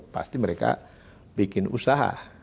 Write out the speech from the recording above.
pasti mereka bikin usaha